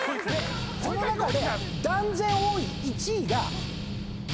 その中で断然多い１位が。